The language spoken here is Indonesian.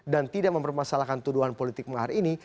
dan tidak mempermasalahkan tuduhan politik mengar ini